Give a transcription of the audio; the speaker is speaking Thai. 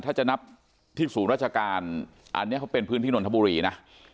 ถ้าจะนับที่ศูนย์ราชการอันนี้เขาเป็นพื้นที่นนทบุรีนะ